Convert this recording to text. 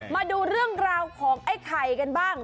มาดูเรื่องราวของไอ้ไข่กันบ้าง